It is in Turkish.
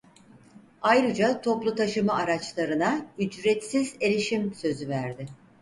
Ayrıca toplu taşıma araçlarına ücretsiz erişim sözü verdi.